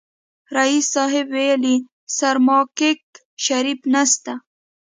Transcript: ريس صيب ويلې سرماکيک شريف نسته.